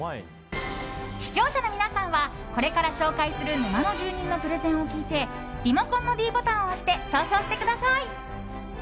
視聴者の皆さんはこれから紹介する沼の住人のプレゼンを聞いてリモコンのｄボタンを押して投票してください。